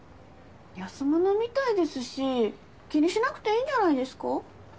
安物みたいですし気にしなくていいんじゃないですか。